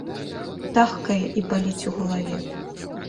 Тахкае і баліць у галаве.